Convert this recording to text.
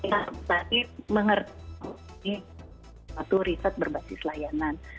tapi mengerjakan satu riset berbasis layanan